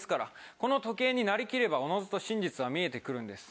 この時計になりきればおのずと真実は見えてきます。